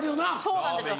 そうなんですよ